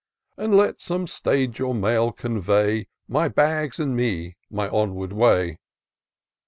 And let some stage or mail convey My bags and me my onward way.